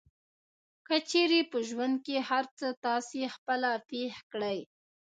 که چېرې په ژوند کې هر څه تاسې خپله پېښ کړئ.